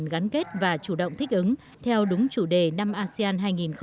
asean đã thể hiện tinh thần gắn kết và chủ động thích ứng theo đúng chủ đề năm asean hai nghìn hai mươi